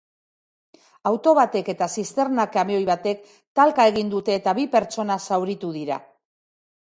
Auto batek eta zisterna-kamioi batek talka egin dute eta bi pertsona zauritu dira.